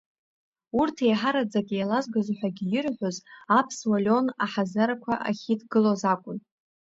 Урҭ еиҳараӡак еилазгоз ҳәагьы ирҳәоз, аԥсҳа Леон аҳазарқәа ахьидгылоз акәын.